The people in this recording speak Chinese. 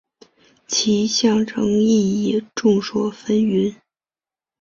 其象征意义众说纷纭。